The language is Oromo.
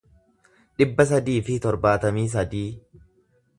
dhibba sadii fi torbaatamii sadii